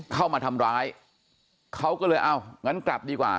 เข้ามาทำร้ายเขาก็เลยเอางั้นกลับดีกว่า